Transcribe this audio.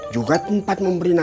juga tempat memberi nasihat